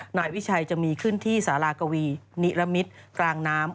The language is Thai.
นายวิชัยจะมีขึ้นที่สารากวีนิรมิตรกลางน้ำ